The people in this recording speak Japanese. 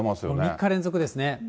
３日連続ですね。